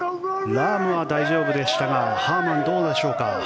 ラームは大丈夫でしたがハーマン、どうでしょうか。